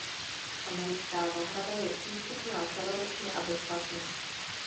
Americká zahrada je přístupná celoročně a bezplatně.